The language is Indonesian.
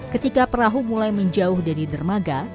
ketika perahu mulai menjauh dari dermaga